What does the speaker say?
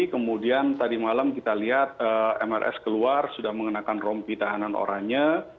kemudian tadi malam kita lihat mrs keluar sudah mengenakan rompi tahanan oranye